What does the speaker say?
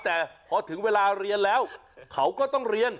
แต่พอถึงเวลาเรียนแล้วเขาก็ต้องเรียน